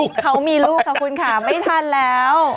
คือเขามีลูกค่ะคุณค่ะไม่ทันแล้ว